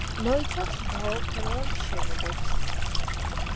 მოიცავს მრავალფეროვან შენობებს.